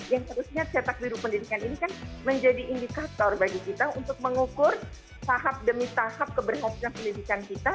yang seharusnya cetak biru pendidikan ini kan menjadi indikator bagi kita untuk mengukur tahap demi tahap keberhasilan pendidikan kita